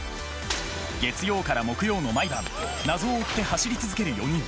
月曜から木曜の毎晩謎を追って走り続ける４人。